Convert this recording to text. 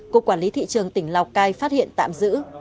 cục quản lý thị trường tỉnh lào cai phát hiện tạm giữ